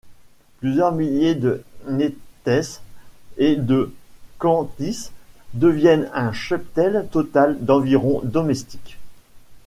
Plusieurs milliers de Nénètses et de Khantys détiennent un cheptel total d'environ domestiques.